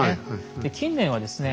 で近年はですね